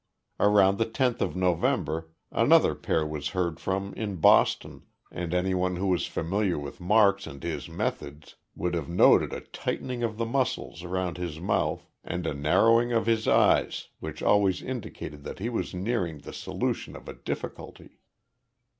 Around the 10th of November another pair was heard from in Boston, and anyone who was familiar with Marks and his methods would have noted a tightening of the muscles around his mouth and a narrowing of his eyes which always indicated that he was nearing the solution of a difficulty.